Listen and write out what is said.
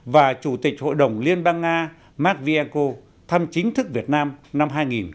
và chủ tịch hội đồng liên bang nga mark vienco thăm chính thức việt nam năm hai nghìn một mươi bảy